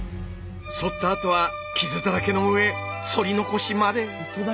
そったあとは傷だらけの上そり残しまで。